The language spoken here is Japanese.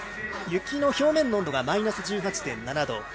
雪の表面温度がマイナス１８．７度。